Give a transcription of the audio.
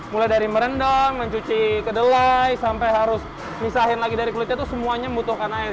mulai dari merendang mencuci kedelai sampai harus misahin lagi dari kulitnya itu semuanya membutuhkan air